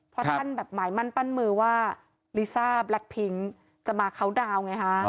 เพราะท่านแบบหมายมั่นปั้นมือว่าลิซ่าแบล็คพิ้งจะมาเคาน์ดาวน์ไงฮะ